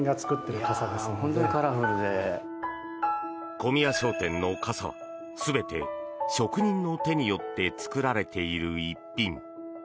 小宮商店の傘は全て職人の手によって作られている逸品。